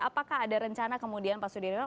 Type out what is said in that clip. apakah ada rencana kemudian pak sudiryono